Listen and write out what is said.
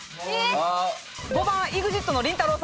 ５番ＥＸＩＴのりんたろー。